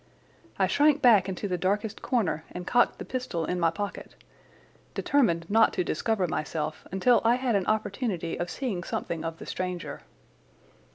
I shrank back into the darkest corner and cocked the pistol in my pocket, determined not to discover myself until I had an opportunity of seeing something of the stranger.